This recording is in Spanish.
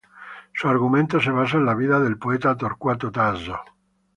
Su argumento se basa en la vida del poeta Torquato Tasso.